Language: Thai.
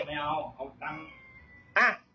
เอา